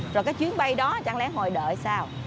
rồi cái chuyến bay đó chẳng lẽ hồi đợi sao